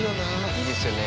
いいですよね。